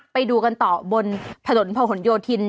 ไปดูกันต่อบนผลลนพหลโยธิน